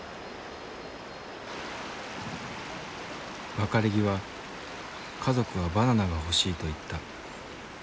別れ際家族はバナナが欲しいと言った。